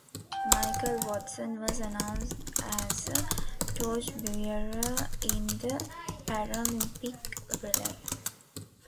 Michael Watson was announced as a torchbearer in the Paralympic relay.